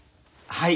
はい。